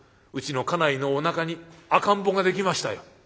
うちの家内のおなかに赤ん坊ができましたよ」。